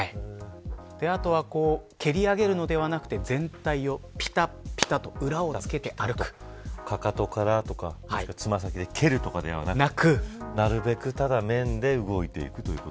あとは蹴り上げるのではなく全体をぴたっぴたっとかかとからとか爪先で蹴るとかではなくなるべく、ただ面で動いていくということ。